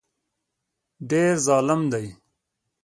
ډېر ظالم دی.